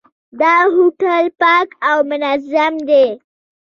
دا هوټل پاک او منظم دی.